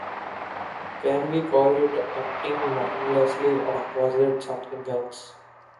Can we call it acting mindlessly or was it something else?